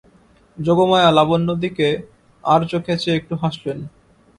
যোগমায়া লাবণ্যর দিকে আড়চোখে চেয়ে একটু হাসলেন।